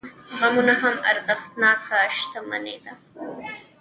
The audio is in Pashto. غمونه هم ارزښتناکه شتمني ده.